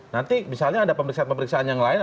nanti misalnya ada pemeriksaan pemeriksaan yang lain